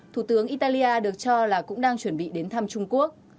thủ tướng italia được cho là cũng đang chuẩn bị đến thăm trung quốc